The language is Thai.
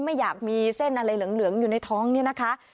ไม่อยากมีเส้นอะไรเหลืองอยู่ในท้องเนี่ยนะคะ